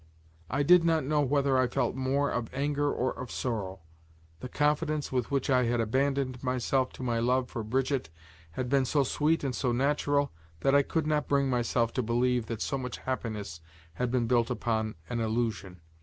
I did not know whether I felt more of anger or of sorrow. The confidence with which I had abandoned myself to my love for Brigitte, had been so sweet and so natural that I could not bring myself to believe that so much happiness had been built upon an illusion.